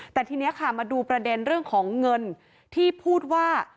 แต่ทีนี้ค่ะมาดูประเด็นเรื่องของเงินที่พูดว่า